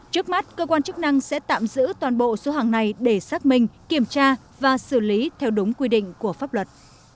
trước mắt cơ quan chức năng sẽ tạm giữ toàn bộ số hàng này để xác minh kiểm tra và xử lý theo đúng quy định của pháp luật